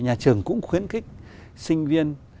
nhà trường cũng khuyến khích sinh viên